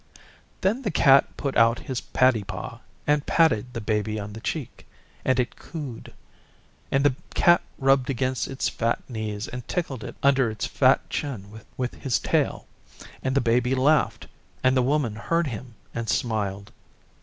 Then the Cat put out his paddy paw and patted the Baby on the cheek, and it cooed; and the Cat rubbed against its fat knees and tickled it under its fat chin with his tail. And the Baby laughed; and the Woman heard him and smiled.